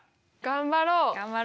頑張ろう！